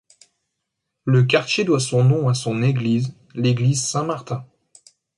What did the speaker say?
Le quartier doit son nom à son église, l’église Saint-Martin.